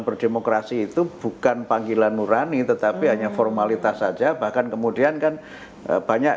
berdemokrasi itu bukan panggilan nurani tetapi hanya formalitas saja bahkan kemudian kan banyak